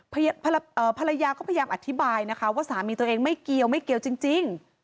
ภรรยาก็พยายามอธิบายนะคะว่าสามีตัวเองไม่เกี่ยวไม่เกี่ยวจริง